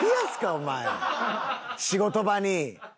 お前仕事場に。